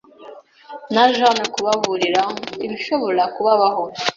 Naje hano kubaburira ibishobora kubaho.